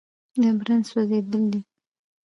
د برن سوځېدل دي.